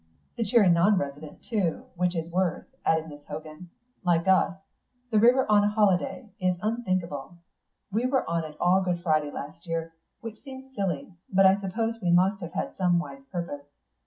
"The cheery non resident, too, which is worse," added Miss Hogan. "Like us. The river on a holiday is unthinkable. We were on it all Good Friday last year, which seems silly, but I suppose we must have had some wise purpose.